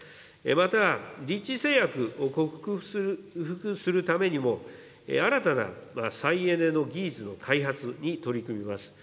また、立地制約を克服するためにも、新たな再エネの技術の開発に取り組みます。